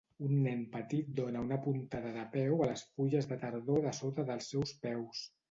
Un nen petit dóna una puntada de peu a les fulles de tardor de sota dels seus peus.